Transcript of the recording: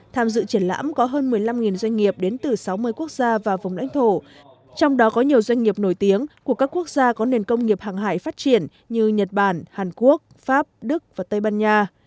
tham dự triển lãm có hơn một mươi năm doanh nghiệp đến từ sáu mươi quốc gia và vùng lãnh thổ trong đó có nhiều doanh nghiệp nổi tiếng của các quốc gia có nền công nghiệp hàng hải phát triển như nhật bản hàn quốc pháp đức và tây ban nha